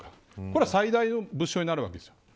これが最大の物証になるわけです。